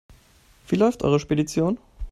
Wie läuft eure Spedition?